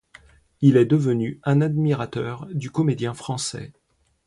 Il est devenu un admirateur du comédien français.